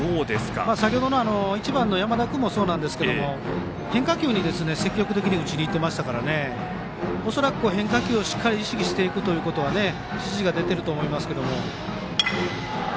先程の１番、山田君もそうですが変化球に積極的に打ちにいっていましたから恐らく変化球を意識していくという指示が出ていると思います。